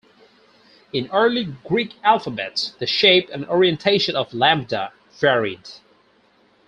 In early Greek alphabets, the shape and orientation of lambda varied.